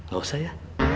gak usah ya